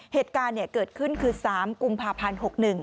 เหตุการณ์เกิดขึ้นคือ๓กุมภาพันธ์๖๑